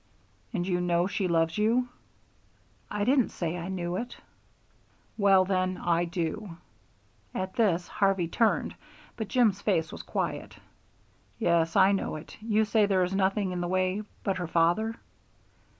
"And you know she loves you?" "I didn't say I knew it." "Well, then, I do." At this Harvey turned, but Jim's face was quiet. "Yes, I know it. You say there is nothing in the way but her father?"